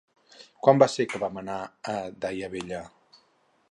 Quan va ser que vam anar a Daia Vella?